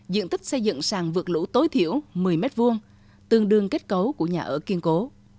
diện tích xây dựng sàn vượt lũ tối thiểu một mươi m hai tương đương kết cấu của nhà ở kiên cố